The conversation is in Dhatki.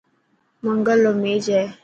منگل رو ميچ هي.